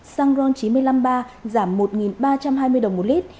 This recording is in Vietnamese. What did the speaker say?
xăng ron chín trăm năm mươi ba giảm một ba trăm hai mươi đồng một lít